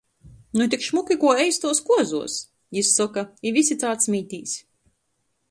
"Nu tik šmuki kuo eistuos kuozuos!" jis soka, i visi cārt smītīs.